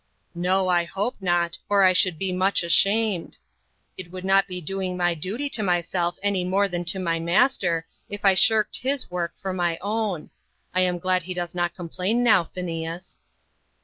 "No, I hope not, or I should be much ashamed. It would not be doing my duty to myself any more than to my master, if I shirked his work for my own. I am glad he does not complain now, Phineas."